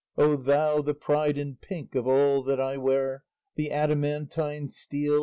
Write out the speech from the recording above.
O thou, the pride and pink of all that I wear The adamantine steel!